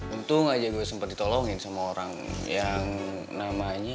untung aja gue sempat ditolongin sama orang yang namanya